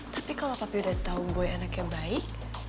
tapi kalau papi udah tau boy anaknya baik